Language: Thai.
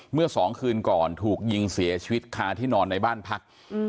เมื่อสองคืนก่อนถูกยิงเสียชีวิตคาที่นอนในบ้านพัก